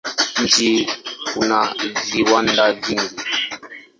Mji una viwanda vingi.